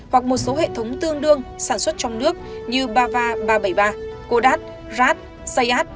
hoặc một số hệ thống tương đương sản xuất trong nước như bava ba trăm bảy mươi ba kodak rat zayad